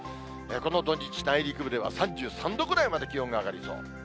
この土日、内陸部では３３度ぐらいまで気温が上がりそう。